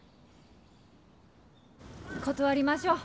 断りましょう。